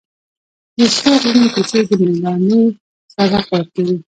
د سرو غرونو کیسې د مېړانې سبق ورکوي.